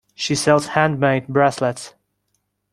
She sells handmade bracelets.